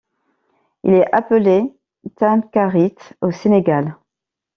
Il est appelé Tamkharit au Sénégal.